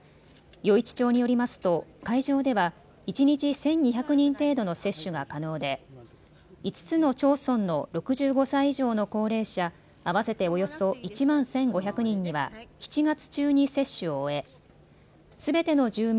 余市町によりますと会場では一日１２００人程度の接種が可能で５つの町村の６５歳以上の高齢者合わせておよそ１万１５００人には７月中に接種を終えすべての住民